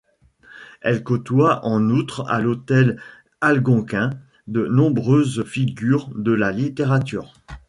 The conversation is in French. Elle côtoie en outre à l'Hôtel Algonquin de nombreuses figures de la littérature.